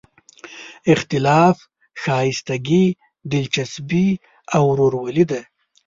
اختلاف ښایستګي، دلچسپي او ورورولي ده.